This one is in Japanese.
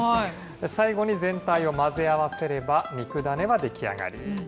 最後に全体を混ぜ合わせれば、肉だねは出来上がり。